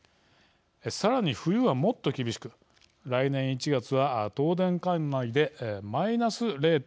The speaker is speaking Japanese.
さらに冬は、もっと厳しく来年１月は東電管内で−０．６％。